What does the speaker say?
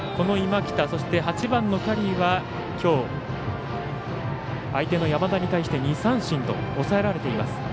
今北、８番のキャリーはきょう、相手の山田に対して２三振と抑えられています。